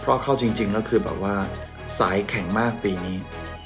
เพราะเข้าจริงแล้วคือแบบว่าสายแข็งมากปีนี้